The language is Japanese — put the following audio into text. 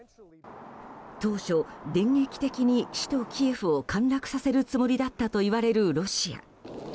当初、電撃的に首都キエフを陥落させるつもりだったといわれるロシア。